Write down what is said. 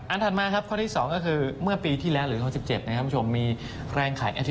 อันถัดมาข้อที่สองก็คือเมื่อปีที่แล้วหรือกลรส